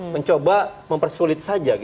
mencoba mempersulit saja